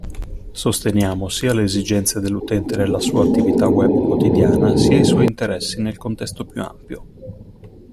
Sosteniamo sia le esigenze dell'utente nella sua attività web quotidiana sia i suoi interessi nel contesto più ampio.